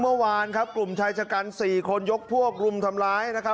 เมื่อวานครับกลุ่มใช้ชะกันสี่คนยกพวกกลุ่มทำร้ายนะฮะ